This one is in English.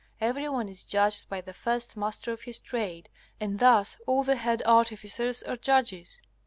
Everyone is judged by the first master of his trade, and thus all the head artificers are judges.